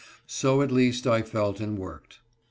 So at least I felt and worked.